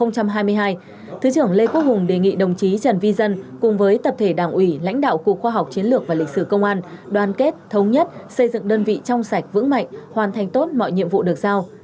chúc trưởng tiến sĩ đỗ lê chi cục trưởng cục khoa học chiến lược và lịch sử công an đ đoàn kết thống nhất xây dựng đơn vị trong sạch vững mạnh hoàn thành tốt mọi nhiệm vụ được giao